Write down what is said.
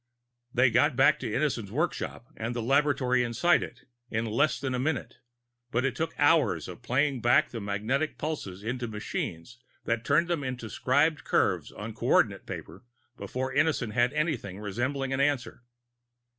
They got back to Innison's workshop, and the laboratory inside it, in less than a minute; but it took hours of playing back the magnetic pulses into machines that turned them into scribed curves on coordinate paper before Innison had anything resembling an answer.